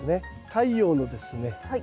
太陽のですね